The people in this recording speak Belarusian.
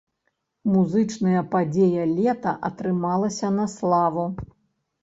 Музычная падзея лета атрымалася на славу.